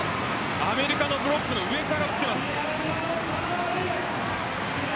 アメリカのブロックの上から打っています。